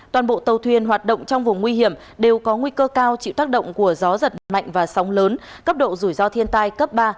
toàn bộ tàu thuyền hoạt động trong vùng nguy hiểm đều có nguy cơ cao chịu tác động của gió giật mạnh và sóng lớn cấp độ rủi ro thiên tai cấp ba